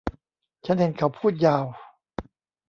ฉันเห็นเขาพูดยาว